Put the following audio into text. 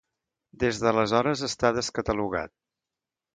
Des d'aleshores està descatalogat.